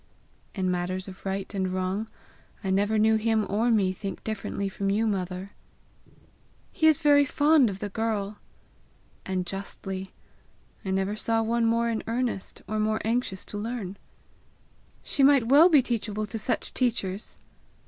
"In matters of right and wrong, I never knew him or me think differently from you, mother!" "He is very fond of the girl!" "And justly. I never saw one more in earnest, or more anxious to learn." "She might well be teachable to such teachers!"